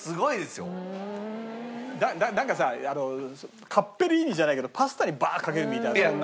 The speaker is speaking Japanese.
なんかさカッペリーニじゃないけどパスタにバーッかけるみたいなそんな。